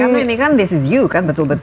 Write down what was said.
karena ini kan this is you kan betul betul